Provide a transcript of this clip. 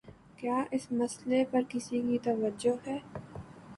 کیا اس مسئلے پر کسی کی توجہ ہے؟